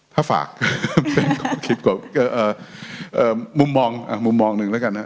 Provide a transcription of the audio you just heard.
ถ้าฝากมุมมองหนึ่งแล้วกัน